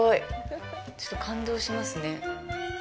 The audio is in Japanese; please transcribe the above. ちょっと感動しますね。